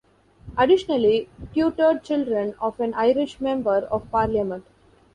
Additionally tutored children of an Irish member of parliament.